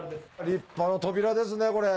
立派な扉ですねこれ。